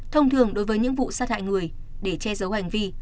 thông thường đối với những vụ sát hại người để che giấu hành vi